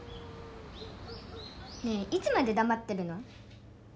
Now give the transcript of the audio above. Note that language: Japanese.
ねえいつまでだまってるの？